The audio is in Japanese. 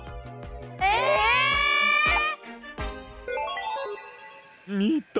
ええ！みた？